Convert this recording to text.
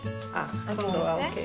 今度はＯＫ。